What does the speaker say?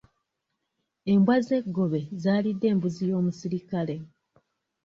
Embwa z'eggobe zaalidde embuzi y'omusirikale.